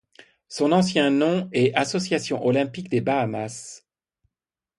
Son ancien nom est Association olympique des Bahamas.